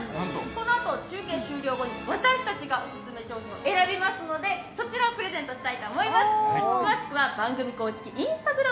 このあと中継終了後に、私たちがオススメ商品を選びますので、そちらをプレゼントしたいと思います。